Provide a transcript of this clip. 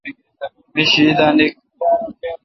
می شی دا نیکھ،